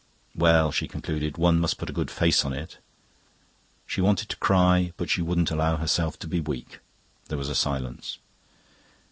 "Well," she concluded, "one must put a good face on it." She wanted to cry, but she wouldn't allow herself to be weak. There was a silence.